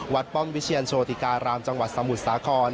ป้อมวิเชียรโชติการามจังหวัดสมุทรสาคร